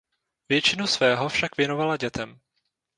Většinu svého však věnovala dětem.